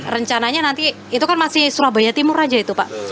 rencananya nanti itu kan masih surabaya timur aja itu pak